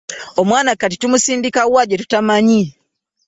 Omwana kati tumusindika wa gye tutamanyi?